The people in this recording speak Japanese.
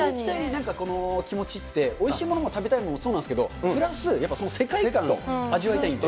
気持ちって、おいしいものが食べたいのもそうなんですけど、プラス、やっぱその世界観、世界と一緒に味わいたい。